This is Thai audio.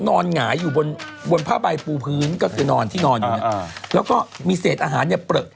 หงายอยู่บนบนผ้าใบปูพื้นก็คือนอนที่นอนอยู่เนี่ยแล้วก็มีเศษอาหารเนี่ยเปลือ